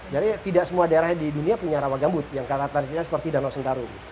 jadi tidak semua daerah di dunia punya rawa gambut yang karakternya seperti danau sentarung